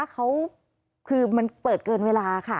เขาคือมันเปิดเกินเวลาค่ะ